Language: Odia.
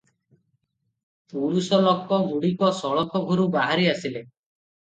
ପୁରୁଷ ଲୋକଗୁଡ଼ିକ ସଳଖ ଘରୁ ବାହାରି ଆସିଲେ ।